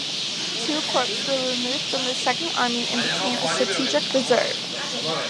Two corps were removed from the Second Army and became a strategic reserve.